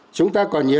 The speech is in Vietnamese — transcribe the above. chúng ta còn nhớ